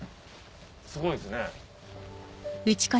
すごいですね。